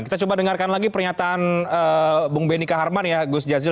kita coba dengarkan lagi pernyataan bung benny kaharman ya gus jazil